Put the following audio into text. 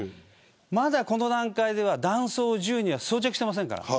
まだこの段階では弾倉を銃には装着していません。